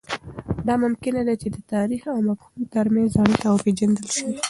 دا ممکنه ده چې د تاریخ او مفهوم ترمنځ اړیکه وپېژندل سي.